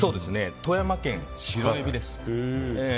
富山県、白エビです。